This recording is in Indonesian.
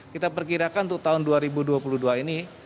kita perkirakan untuk tahun dua ribu dua puluh dua ini